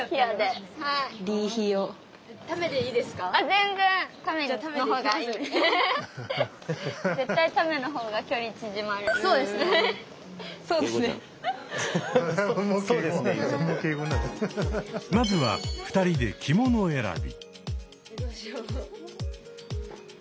全然まずは２人で着物選び。